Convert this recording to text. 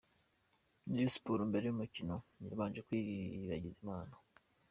Rayon Sports mbere y'umukino babanje kwiragiza Imana.